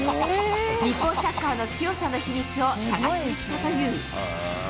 日本サッカーの強さの秘密を探しに来たという。